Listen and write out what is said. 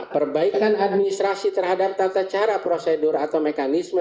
perbaikan administrasi terhadap tata cara prosedur atau mekanisme